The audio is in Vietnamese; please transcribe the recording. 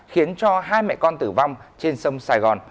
khiến cho hai mẹ con tử vong trên sông sài gòn